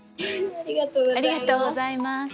ありがとうございます。